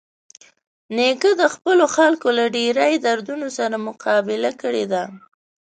نیکه د خپلو خلکو له ډېرۍ دردونو سره مقابله کړې ده.